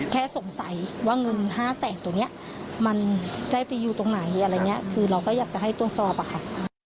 แค่สงสัยว่าเงินห้าแสนตัวเนี้ยมันได้ไปอยู่ตรงไหนอะไรอย่างเงี้ยคือเราก็อยากจะให้ตรวจสอบอะค่ะ